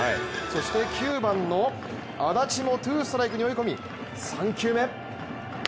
そして９番の安達もツーストライクに追い込み、３球目。